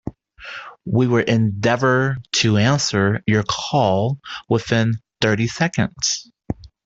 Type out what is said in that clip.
We will endeavour to answer your call within thirty seconds.